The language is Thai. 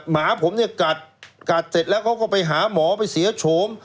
หมาผมกัดเจ็บแล้วเขาไปหาหมอไปเสียโฉม